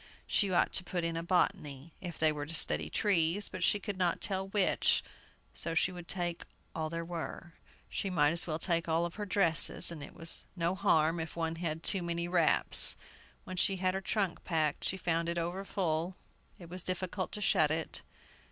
She ought to put in a "Botany," if they were to study trees; but she could not tell which, so she would take all there were. She might as well take all her dresses, and it was no harm if one had too many wraps. When she had her trunk packed, she found it over full; it was difficult to shut it.